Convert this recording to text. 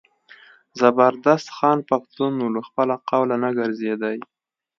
زبردست خان پښتون و له خپله قوله نه ګرځېدی.